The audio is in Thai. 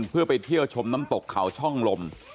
เพื่อไปเที่ยวชมน้ำตกเขาช่องลม